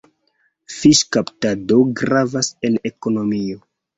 Fiŝkaptado gravas en ekonomio.